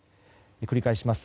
繰り返します。